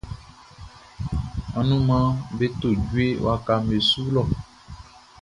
Anumanʼm be to djue wakaʼm be su lɔ.